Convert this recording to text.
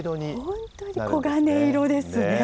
本当に黄金色ですね。